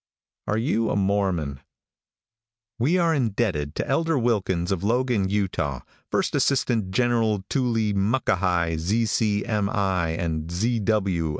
ARE YOU A MORMON? |WE are indebted to Elder Wilkins, of Logan, Utah, first assistant general tooly muck a hi Z. C. M. I. and Z.